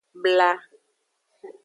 Bla.